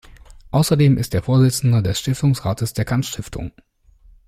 Außerdem ist er Vorsitzender des Stiftungsrates der Kant-Stiftung.